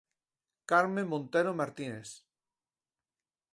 Carmen Montero Martínez.